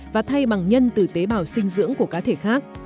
và thay bằng nhân từ tế bào sinh dưỡng của cá thể khác